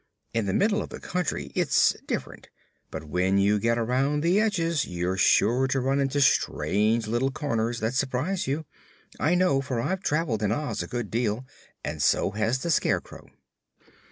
In the middle of the country it's diff'rent, but when you get around the edges you're sure to run into strange little corners that surprise you. I know, for I've traveled in Oz a good deal, and so has the Scarecrow."